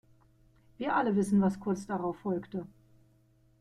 Wir alle wissen, was kurz darauf folgte.